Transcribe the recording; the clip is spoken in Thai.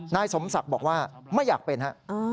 นายสมศักดิ์บอกว่าไม่อยากเป็นฮะ